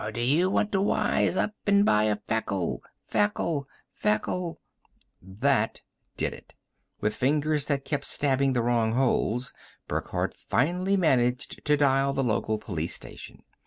Or do you want to wise up and buy a Feckle, Feckle, Feckle " That did it. With fingers that kept stabbing the wrong holes, Burckhardt finally managed to dial the local police station.